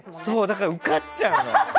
だから受かっちゃうの。